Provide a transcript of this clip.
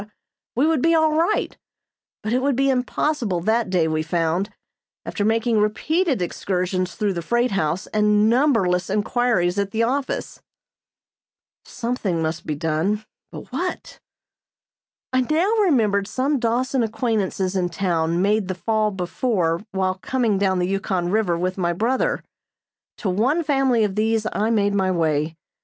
we would be all right, but it would be impossible that day we found, after making repeated excursions through the freight house and numberless inquiries at the office. Something must be done, but what? I now remembered some Dawson acquaintances in town made the fall before while coming down the Yukon River with my brother. To one family of these I made my way.